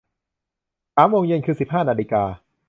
สามโมงเย็น คือสิบห้านาฬิกา